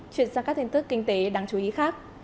chuyển sang các tin tức kinh tế đáng chú ý khác